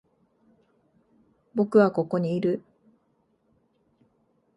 僕はここにいる。